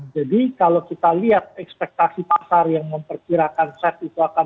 jadi kalau kita lihat ekspektasi pasar yang memperkirakan set itu akan